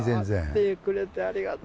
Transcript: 会ってくれてありがとう！